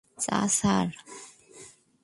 চা, স্যার।